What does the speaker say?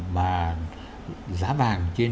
mà giá vàng trên